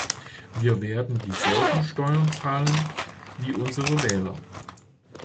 Wir werden dieselben Steuern zahlen wie unsere Wähler.